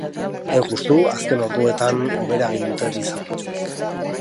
Hain justu, azken orduetan hobera egin dute bi zaurituek.